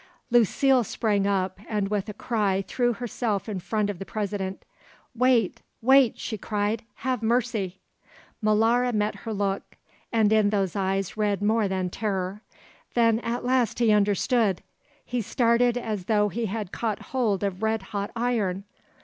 Lucile sprang up, and with a cry threw herself in front of the President "Wait, wait!" she cried. "Have mercy!" Molara met her look, and in those eyes read more than terror. Then at last he understood; he started as though he had caught hold of red hot iron.